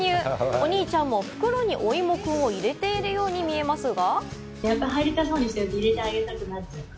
お兄ちゃんも、袋においもくんを入れているように見えますが。